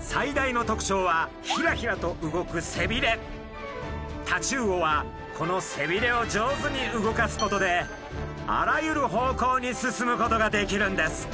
最大の特徴はヒラヒラと動くタチウオはこの背びれを上手に動かすことであらゆる方向に進むことができるんです。